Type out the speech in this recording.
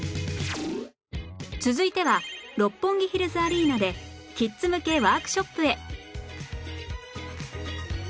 続いては六本木ヒルズアリーナでキッズ向けワークショップへ